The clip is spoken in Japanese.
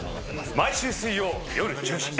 毎週水曜夜１０時。